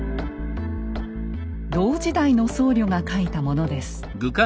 同時代の僧侶が書いたものです。